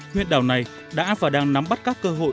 huyện đảo này đã và đang nắm bắt các cơ hội